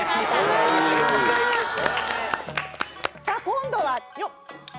さぁ今度はよっ！